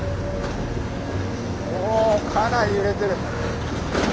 おかなり揺れてる！